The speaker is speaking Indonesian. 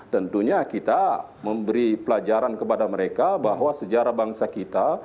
tentunya kita memberi pelajaran kepada mereka bahwa sejarah bangsa kita